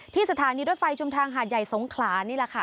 สถานีรถไฟชุมทางหาดใหญ่สงขลานี่แหละค่ะ